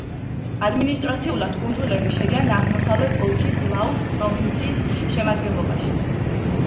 ადმინისტრაციულად კუნძულები შედიან აღმოსავლეთის ოლქის ლაუს პროვინციის შემადგენლობაში.